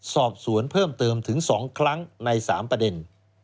สอบสวนเพิ่มเติมถึง๒ครั้งใน๓ประเด็น